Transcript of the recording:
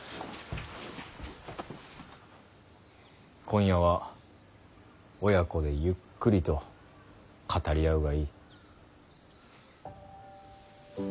今夜は親子でゆっくりと語り合うがいい。